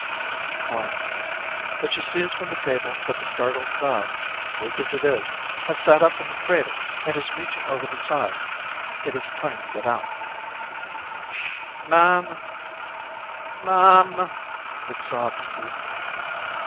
She climbs â€" But she sees from the table that the startled child, weak as it is, has sat up in the cradle, and is reaching over the side â€" it is trying to get out â€" "Mame, M mame," it sobs feebly.